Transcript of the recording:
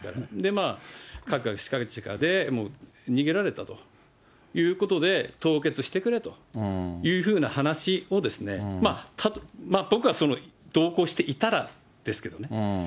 まあ、かくかくしかじかで逃げられたということで、凍結してくれというふうな話を、僕はその同行していたらですけどね。